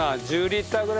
１０リッター。